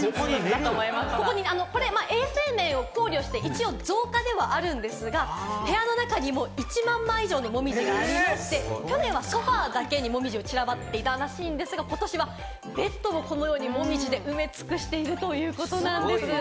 これ、衛生面を考慮して、一応、造花ではあるんですが、部屋の中に１万枚以上のもみじがあって、去年はソファだけにもみじが散らばっていたそうですが、ことしはベッドもこのように、もみじで埋め尽くしているということなんです。